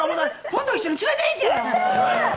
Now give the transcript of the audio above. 今度一緒に連れて行け！